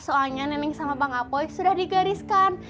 soalnya neneng sama bang apoy sudah digariskan